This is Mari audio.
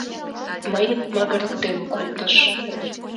Мыйым магырыктен колтыш.